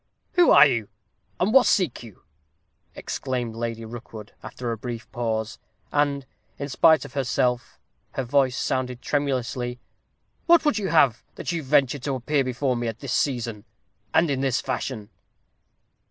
"Who are you, and what seek you?" exclaimed Lady Rookwood, after a brief pause, and, in spite of herself, her voice sounded tremulously. "What would you have, that you venture to appear before me at this season and in this fashion?"